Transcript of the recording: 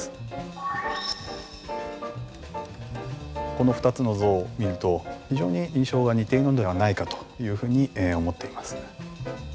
この２つの像を見ると非常に印象が似ているのではないかというふうに思っています。